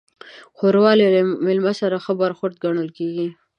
ښوروا له میلمانه سره ښه برخورد ګڼل کېږي.